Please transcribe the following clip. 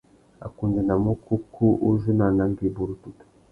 A kundzénamú : kúkú u zú nà anangüî burútutu.